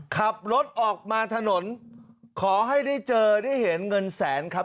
ขับรถออกมาถนนขอให้ได้เจอได้เห็นเงินแสนครับ